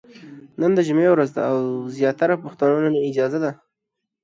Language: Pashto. نن د جمعې ورځ ده او زياتره پښتنو نن اجازه ده ،